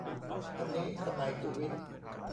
อันนี้สมัยสุวิทย์